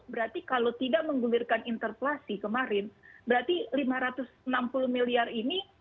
berarti kalau tidak menggulirkan interpelasi kemarin berarti lima ratus enam puluh miliar ini